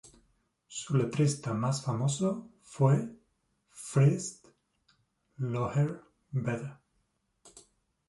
Su letrista más famoso fue Fritz Löhner-Beda.